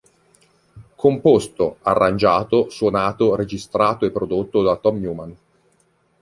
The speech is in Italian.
Composto, Arrangiato, Suonato, Registrato e Prodotto da Tom Newman.